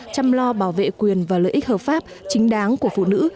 chăm lo bảo vệ quyền và lợi ích hợp pháp chính đáng của phụ nữ